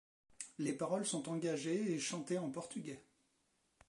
Les paroles sont engagées et chantées en portugais.